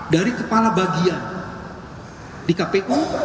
dari kepala bagian di kpu